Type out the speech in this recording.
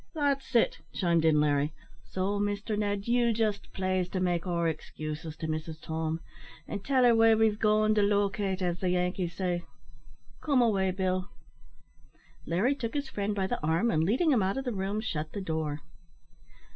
"That's it," chimed in Larry; "so, Mister Ned, ye'll jist plaise to make our excuges to Mrs Tom, and tell her where we've gone to lo cate, as the Yankees say. Come away, Bill." Larry took his friend by the arm, and, leading him out of the room, shut the door.